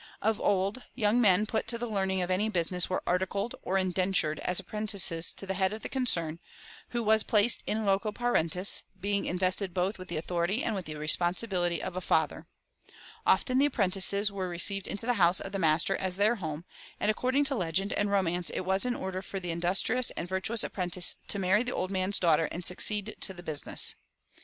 Of old, young men put to the learning of any business were "articled" or "indentured" as apprentices to the head of the concern, who was placed in loco parentis, being invested both with the authority and with the responsibility of a father. Often the apprentices were received into the house of the master as their home, and according to legend and romance it was in order for the industrious and virtuous apprentice to marry the old man's daughter and succeed to the business.